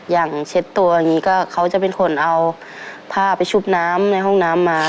เช็ดตัวนี้ก็เขาจะเป็นคนเอาผ้าไปชุบน้ำในห้องน้ำมา